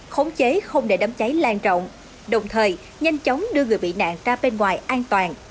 khống chế không để đấm cháy lan trọng đồng thời nhanh chóng đưa người bị nạn ra bên ngoài an toàn